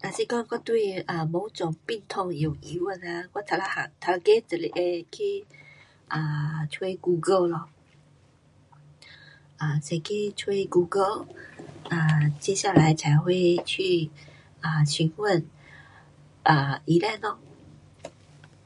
na shi gong gua dui bo zhong bi tong you yu, gua ta la hang, tao le gei ki chui gu go lo, shi ki chui gu go, jie xia lai cai hui qu qin wen yi len lo